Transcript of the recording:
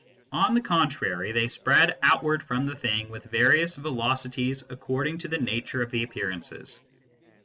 On the contrary they spread outward from the thing with various velocities according to the nature of the appearances.